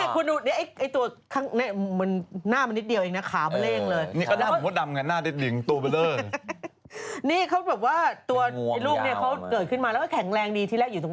หน้าเหมือนมดดำไม่มีผิดเลย